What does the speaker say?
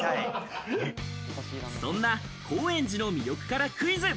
そんな高円寺の魅力からクイズ。